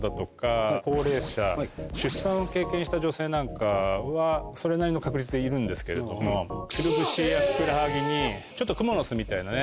した女性なんかはそれなりの確率でいるんですけれどもくるぶしやふくらはぎにちょっとクモの巣みたいなね